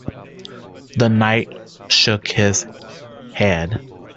The Knight shook his head.